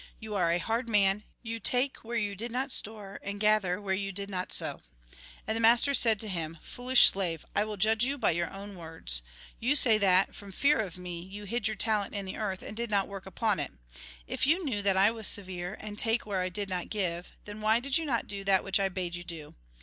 You are a hard man, you take where you did not store, and gather where you did not sow.' And the master said to him :' Foolish slave ! I will judge you by your own words. You say that, from fear of me, you hid your talent in the earth, and did not work upon it. If you knew that I was severe, and take where I did not give, then why did you not do that which I bade you do